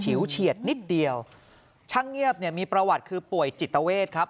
เฉียดนิดเดียวช่างเงียบเนี่ยมีประวัติคือป่วยจิตเวทครับ